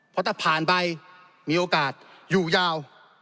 เพราะถ้าผ่านไปมีโอกาสอยู่ยาว